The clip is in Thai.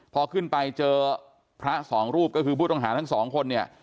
พอขึ้นไปเจอพระสองรูปก็คือผู้ต้องหาทั้งสองคนเนี่ย